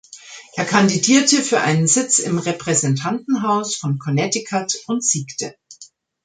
Er kandidierte für einen Sitz im Repräsentantenhaus von Connecticut und siegte.